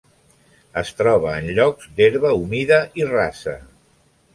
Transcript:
Es troba en llocs d'herba humida i rasa.